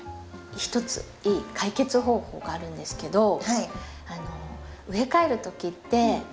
ひとついい解決方法があるんですけど植え替える時ってよくこういう。